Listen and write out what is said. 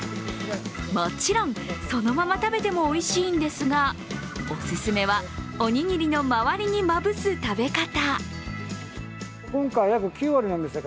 もちろん、そのまま食べてもおいしいんですが、お勧めは、おにぎりの周りにまぶす食べ方。